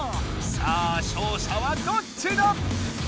さあ勝者はどっちだ